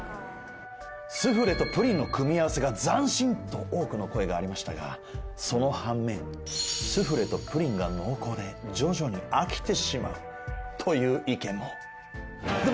「スフレとプリンの組み合わせが斬新！」と多くの声がありましたがその反面「スフレとプリンが濃厚で徐々に飽きてしまう」という意見も。